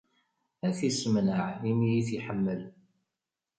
Ad t-issemneɛ, imi i t-iḥemmel!